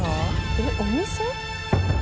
えっお店？